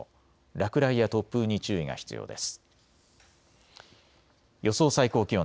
落雷や突風に注意が必要です。